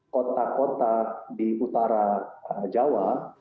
kota kota di utara jawa